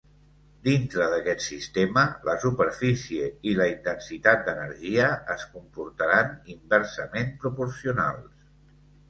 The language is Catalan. Dintre d'aquest sistema, la superfície i la intensitat d'energia, es comportaran inversament proporcionals.